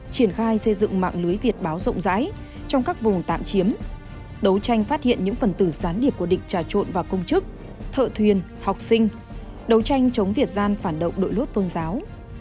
triển khai xây dựng mạng lưới việt báo rộng rãi trong các vùng tạm chiếm đấu tranh phát hiện những phần tử gián điệp của định trà trộn vào công chức thợ thuyền học sinh đấu tranh chống việt gian phản động đội lốt tôn giáo